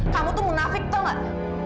kamu tuh munafik tuh gak